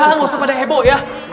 eh udah gak usah pada heboh ya